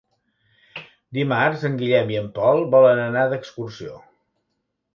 Dimarts en Guillem i en Pol volen anar d'excursió.